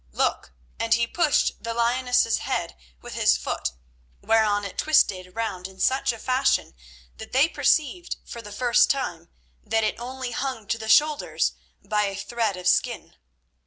Look," and he pushed the lioness's head with his foot, whereon it twisted round in such a fashion that they perceived for the first time that it only hung to the shoulders by a thread of skin.